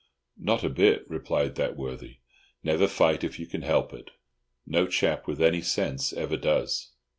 "Not a bit," replied that worthy. "Never fight if you can help it. No chap with any sense ever does."